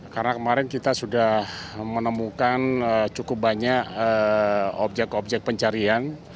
karena kemarin kita sudah menemukan cukup banyak objek objek pencarian